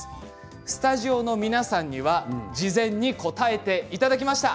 スタジオの皆さんには事前に答えていただきました。